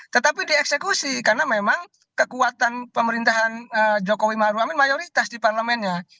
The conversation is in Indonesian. tetapi dieksekusi karena memang kekuatan pemerintahan jokowi maruf amin mayoritas di parlemennya